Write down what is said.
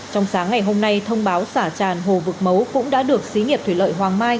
trong sáng ngày hôm nay thông báo xả tràn hồ vực mấu cũng đã được xí nghiệp thủy lợi hoàng mai